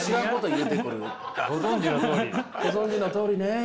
ごぞんじのとおりね。